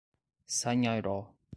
Sanharó